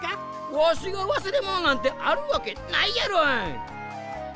わしがわすれものなんてあるわけないやろ！